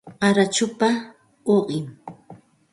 Qarachupa uqim